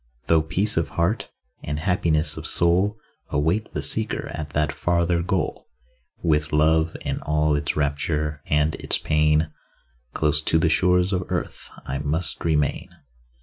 Though peace of heart, and happiness of soul, Await the seeker at that farther goal, With love and all its rapture and its pain, Close to the shores of earth I must remain.